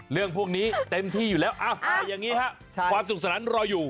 เรื่องพวกนี้เต็มที่อยู่แล้วอย่างนี้ฮะความสุขสนันรออยู่